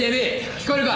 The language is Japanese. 聞こえるか？